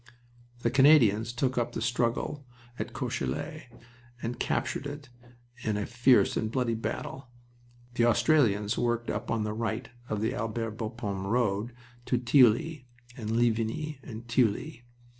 The Canadians took up the struggle at Courcelette and captured it in a fierce and bloody battle. The Australians worked up on the right of the Albert Bapaume road to Thilloy and Ligny Thilloy.